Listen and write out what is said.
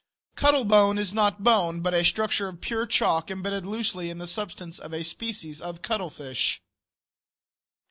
Cuttle bone is not bone, but a structure of pure chalk imbedded loosely in the substance of a species of cuttlefish.